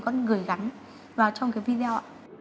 con gửi gắn vào trong cái video